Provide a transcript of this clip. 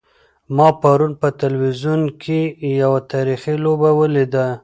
ما پرون په تلویزیون کې یوه تاریخي لوبه ولیده.